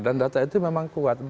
dan data itu memang kuat